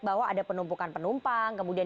bahwa ada penumpukan penumpang kemudian